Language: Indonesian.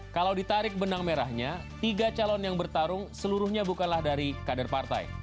kalau ditarik benang merahnya tiga calon yang bertarung seluruhnya bukanlah dari kader partai